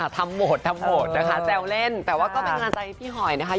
ทำโหมดทำหมดนะคะแซวเล่นแต่ว่าก็เป็นกำลังใจพี่หอยนะคะ